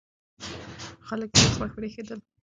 خلک زیات خوښ برېښېدل.